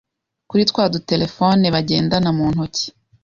kuri twa duterefoni bagendana mu ntoki.